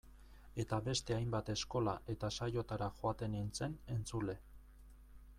Eta beste hainbat eskola eta saiotara joaten nintzen, entzule.